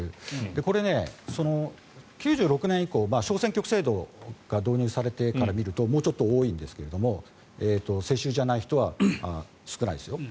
これ、９６年以降小選挙区制度が導入されてから見るともうちょっと多いんですが世襲じゃない人は少ないですよ。